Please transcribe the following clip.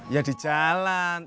ya di jalan